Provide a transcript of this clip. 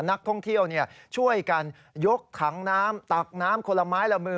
นักท่องเที่ยวช่วยกันยกถังน้ำตักน้ำคนละไม้ละมือ